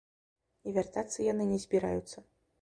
І вяртацца яны не збіраюцца.